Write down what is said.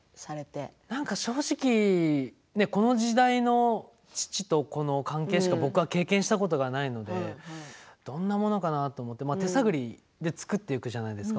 正直、この時代の父と子の関係しか経験したことがないのでどんなものなのかなって手探りで作っていくんですよね。